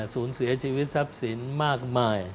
สูญเสียชีวิตทรัพย์สินมากมาย